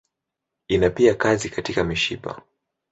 Ina pia kazi katika mishipa.